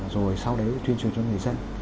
rồi sau đấy tuyên truyền cho người dân